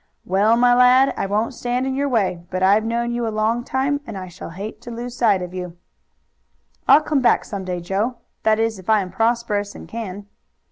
"Well, my lad, I won't stand in your way, but I've known you a long time, and I shall hate to lose sight of you." "I'll came back some day, Joe that is if I am prosperous and can."